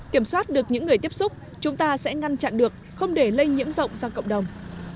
kiểm soát được những người tiếp xúc chúng ta sẽ ngăn chặn được không để lây nhiễm rộng ra cộng đồng